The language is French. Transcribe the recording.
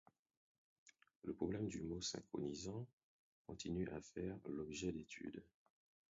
Le problème du mot synchronisant continue à faire l'objet d'études.